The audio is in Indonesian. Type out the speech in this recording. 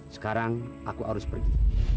sekarang aku harus pergi